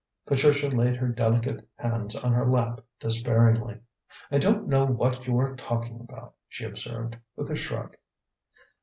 Patricia laid her delicate hands on her lap despairingly. "I don't know what you are talking about," she observed, with a shrug.